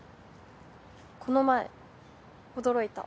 この前驚いた。